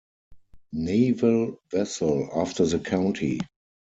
Naval vessel after the county.